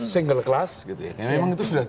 single class gitu ya memang itu sudah